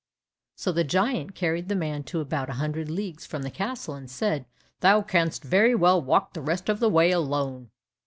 So the giant carried the man to about a hundred leagues from the castle, and said, "Thou canst very well walk the rest of the way alone."